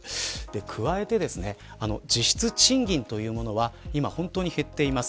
加えて実質賃金というものは今、本当に減っています。